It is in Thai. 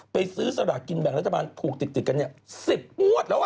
ซื้อสลากกินแบ่งรัฐบาลถูกติดกัน๑๐งวดแล้ว